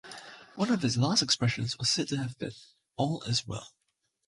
One of his last expressions was said to have been, All is well.